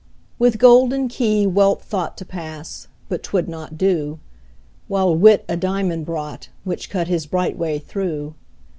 With golden key Wealth thought To pass but 'twould not do: While Wit a diamond brought, Which cut his bright way through.